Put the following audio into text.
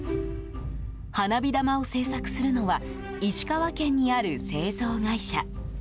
花火玉を製作するのは石川県にある製造会社。